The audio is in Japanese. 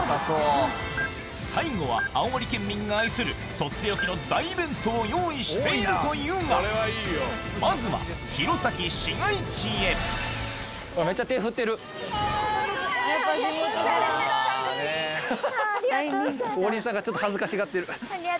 最後は青森県民が愛するとっておきの大イベントを用意しているというがまずは弘前市街地へありがとうございます。